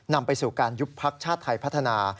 นำไปสู่การยุบพักชาติไทยพัฒนา